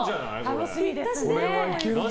楽しみですね。